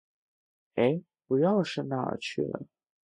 哎，我钥匙哪儿去了？